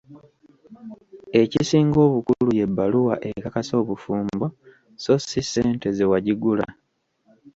Ekisinga obukulu y'ebbaluwa ekakasa obufumbo so si ssente ze wagigula.